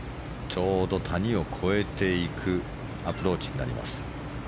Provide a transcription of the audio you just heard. ちょうど谷を越えていくアプローチになります。